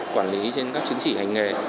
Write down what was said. quản lý trên các chứng chỉ hành nghề